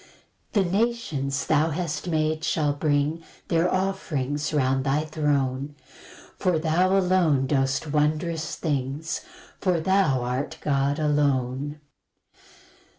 2 The nations thou hast made shall bring Their offerings round thy throne; For thou alone dost wondrous things, For thou art God alone.